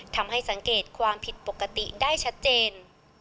ทำให้สังเกตความผิดปกติได้ชัดเจน